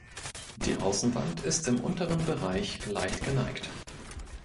Die Außenwand ist im unteren Bereich leicht geneigt.